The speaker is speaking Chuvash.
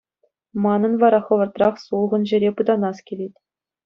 Манӑн вара хӑвӑртрах сулхӑн ҫӗре пытанас килет.